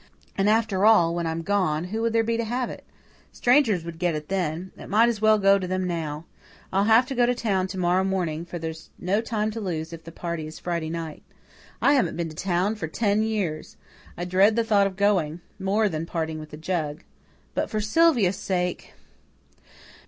And, after all, when I'm gone, who would there be to have it? Strangers would get it then it might as well go to them now. I'll have to go to town to morrow morning, for there's no time to lose if the party is Friday night. I haven't been to town for ten years. I dread the thought of going, more than parting with the jug. But for Sylvia's sake!"